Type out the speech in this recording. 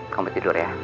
kamu tidur ya